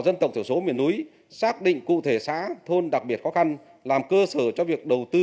dân tộc thiểu số miền núi xác định cụ thể xã thôn đặc biệt khó khăn làm cơ sở cho việc đầu tư